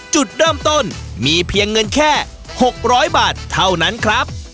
จุดเริ่มต้นมีเพียงเงินแค่๖๐๐บาทเท่านั้นครับ